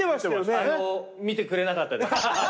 あの見てくれなかったです。